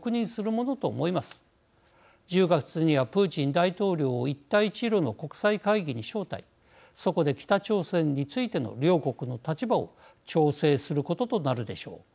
１０月にはプーチン大統領を一帯一路の国際会議に招待そこで北朝鮮についての両国の立場を調整することとなるでしょう。